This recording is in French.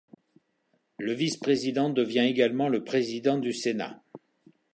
Le vice président devient également le président du Sénat.